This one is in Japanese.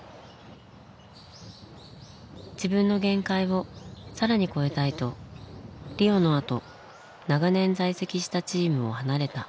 自分の限界を更に超えたいとリオのあと長年在籍したチームを離れた。